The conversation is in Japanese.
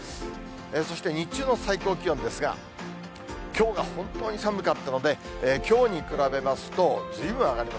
そして日中の最高気温ですが、きょうが本当に寒かったので、きょうに比べますと、ずいぶん上がります。